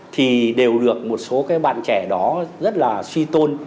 thì đều được một số các bạn trẻ đó rất là suy tôn